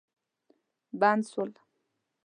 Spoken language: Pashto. بند سول.